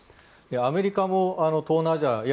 アメリカも東南アジアや